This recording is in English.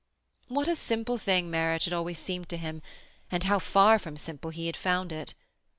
What a simple thing marriage had always seemed to him, and how far from simple he had found it!